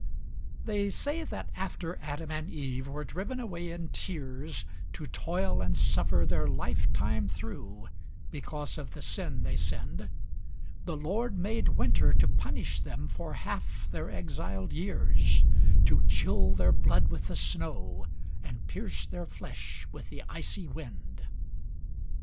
They say that after Adam and Eve were driven away in tears To toil and suffer their life time through, because of the sin they sinned, The Lord made Winter to punish them for half their exiled years, To chill their blood with the snow, and pierce their flesh with the icy wind.